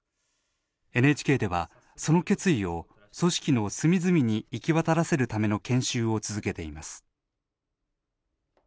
ＮＨＫではその決意を組織の隅々に行き渡らせるための研修を続けています。